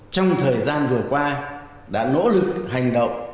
trong thời gian vừa qua đã nỗ lực hành động